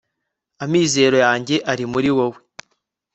amizero yanjye ari muri wowe